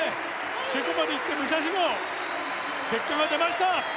チェコまで行って武者修行結果が出ました